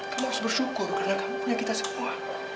kamu harus bersyukur karena kamu punya kita semua